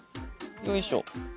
よいしょ。